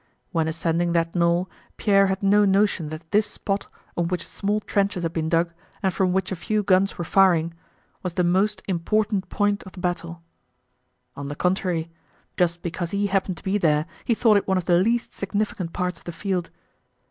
When ascending that knoll Pierre had no notion that this spot, on which small trenches had been dug and from which a few guns were firing, was the most important point of the battle. On the contrary, just because he happened to be there he thought it one of the least significant parts of the field.